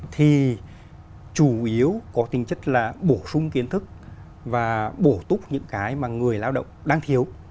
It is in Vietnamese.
thì chủ yếu có tính chất là bổ sung kiến thức và bổ túc những cái mà người lao động đang thiếu